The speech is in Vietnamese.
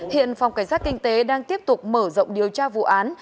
hiện phòng cảnh sát kinh tế đang tiếp tục mở rộng điều tra vụ án